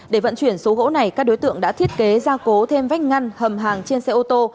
để vận chuyển số gỗ này các đối tượng đã thiết kế ra cố thêm vách ngăn hầm hàng trên xe ô tô